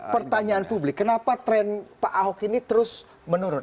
pertanyaan publik kenapa tren pak ahok ini terus menurun